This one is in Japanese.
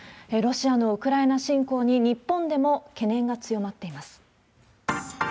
ロシアのウクライナ侵攻に、日本でも懸念が強まっています。